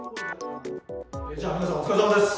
じゃあ皆さんお疲れさまです。